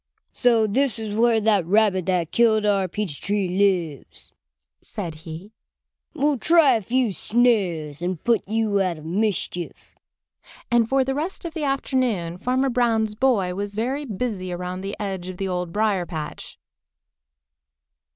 "So this is where that rabbit that killed our peach tree lives!" said he. "We'll try a few snares and put you out of mischief." And for the rest of the afternoon Farmer Brown's boy was very busy around the edge of the Old Briar patch.